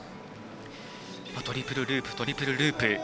トリプルループ、トリプルループ。